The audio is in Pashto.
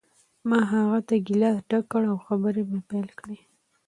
ما هغه ته ګیلاس ډک کړ او خبرې مې پیل کړې